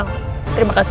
itu mencurigai elsa